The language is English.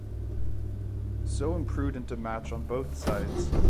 So imprudent a match on both sides!